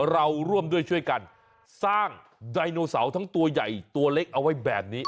เราร่วมด้วยช่วยกันสร้างไดโนเสาร์ทั้งตัวใหญ่ตัวเล็กเอาไว้แบบนี้